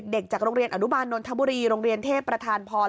จากโรงเรียนอนุบาลนนทบุรีโรงเรียนเทพประธานพร